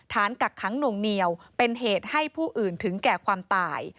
กักขังหน่วงเหนียวเป็นเหตุให้ผู้อื่นถึงแก่ความตาย